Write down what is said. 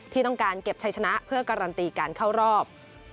ที่ต้องการเก็บชัยชนะเพื่อการันตีการเข้ารอบ